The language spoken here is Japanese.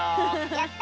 やった！